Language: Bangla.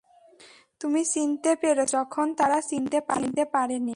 তুমি চিনতে পেরেছো যখন তারা চিনতে পারেনি।